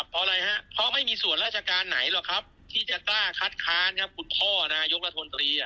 เพราะไม่มีส่วนราชการไหนที่จะกล้าคัดค้านคุณพ่อนายกรัฐมนตรี